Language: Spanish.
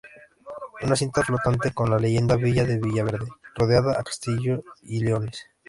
Una cinta flotante con la leyenda "Villa de Villaverde" rodea a castillo y leones.